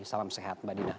salam sehat mbak dina